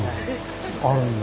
あるんだ。